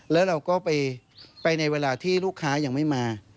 แล้วเราก็ไปในเวลาที่ลูกค้ายังไม่มา